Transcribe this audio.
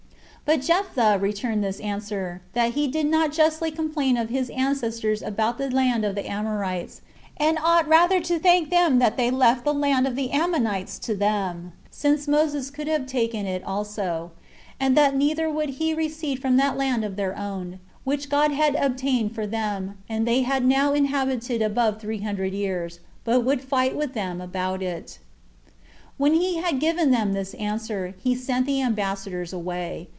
But Jephtha returned this answer: That he did not justly complain of his ancestors about the land of the Amorites, and ought rather to thank them that they left the land of the Ammonites to them, since Moses could have taken it also; and that neither would he recede from that land of their own, which God had obtained for them, and they had now inhabited [above] three hundred years, but would fight with them about it. 10. And when he had given them this answer, he sent the ambassadors away.